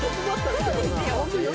そうですよ